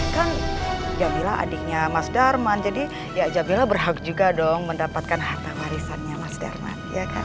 kan jabila adiknya mas darman jadi jabila berhak juga mendapatkan harta warisannya mas darman